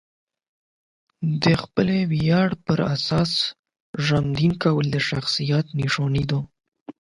د خپلې ویاړ پر اساس ژوند کول د شخصیت نښه ده.